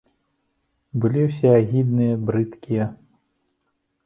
Былі ўсе агідныя, брыдкія.